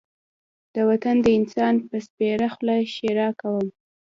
د وطن د انسان په سپېره خوله ښېرا کوم.